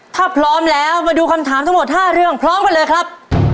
ถ้าพร้อมแล้วมาดูคำถามทั้งหมด๕เรื่องพร้อมกันเลยครับ